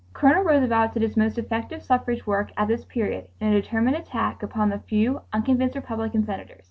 Colonel Roosevelt did his most effective suffrage work at this period in a determined attack upon the few unconvinced Republican Senators.